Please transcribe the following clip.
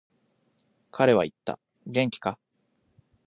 彼は言った、元気か。